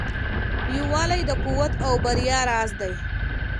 یووالی د قوت او بریا راز دی.